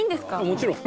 もちろん。